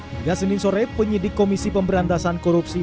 hingga senin sore penyidik komisi pemberantasan korupsi